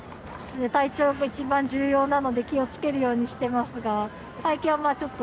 体調が一番重要なので気をつけるようにしていますが最近はちょっとあれですね